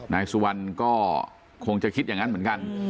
นายสุวรรณก็คงจะคิดอย่างนั้นเหมือนกัน